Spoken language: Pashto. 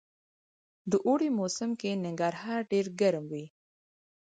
د اوړي موسم کي ننګرهار ډير ګرم وي